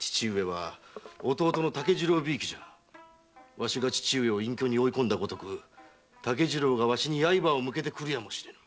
わしが父上を隠居に追い込んだごとく竹次郎がわしに刃を向けてくるやもしれん。